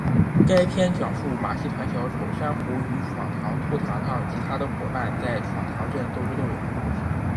该片讲述马戏团小丑珊瑚与闯堂兔堂堂及他的伙伴们在闯堂镇斗智斗勇的故事。